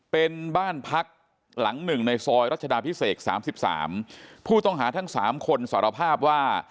เป็นบ้านพักหลัง๑ในซอยรัชดาพิเศษ๓๓ผู้ต้องหาทั้ง๓คนสารภาพว่า